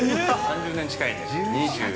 ３０年近いんだ。